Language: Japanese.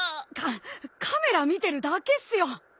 カカメラ見てるだけっすよ。